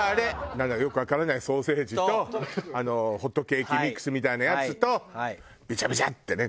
なんだかよくわからないソーセージとホットケーキミックスみたいなやつとベチャベチャってね